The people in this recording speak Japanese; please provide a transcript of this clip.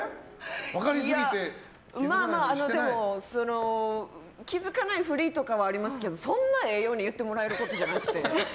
いや、まあまあでも気づかないふりとかはありますけどそんなええように言ってもらえることじゃなくて。